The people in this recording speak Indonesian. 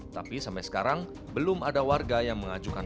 tapi sampai sekarang belum ada warga yang mengajukan